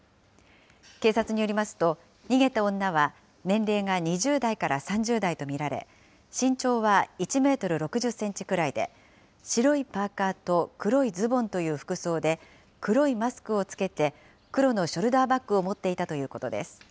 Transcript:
警察によりますと、逃げた女は年齢が２０代から３０代と見られ、身長は１メートル６０センチくらいで、白いパーカーと黒いズボンという服装で、黒いマスクを着けて、黒のショルダーバッグを持っていたということです。